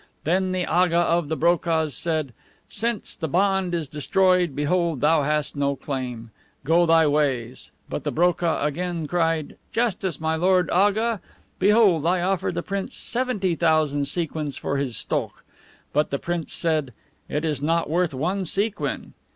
Then the Aga of the BROKAHS said, "Since the bond is destroyed, behold thou hast no claim. Go thy ways!" But the BROKAH again cried, "Justice, my lord Aga! Behold, I offer the prince seventy thousand sequins for his STOKH!" But the prince said, "It is not worth one sequin!"